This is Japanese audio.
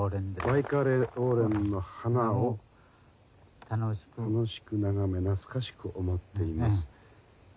「バイカオウレンの花を楽しく眺め懐かしく思っています。